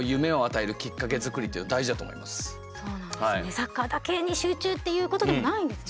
サッカーだけに集中っていうことでもないんですね。